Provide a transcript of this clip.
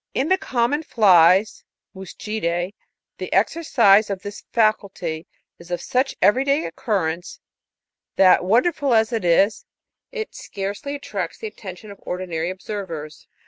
In the common flies (Muscidce} the exercise of this faculty is of such every day occurrence, that, wonderful as it is, it scarcely attracts the atten tion of ordinary observers.